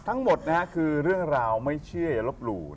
ทั้งหมดนะฮะคือเรื่องราวไม่เชื่ออย่าลบหลู่